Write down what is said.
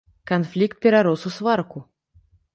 Канфлікт перарос у сварку.